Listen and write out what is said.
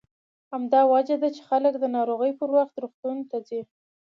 همدا وجه ده چې خلک د ناروغۍ پر وخت روغتون ته ورځي.